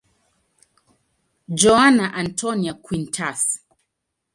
Joana Antónia Quintas.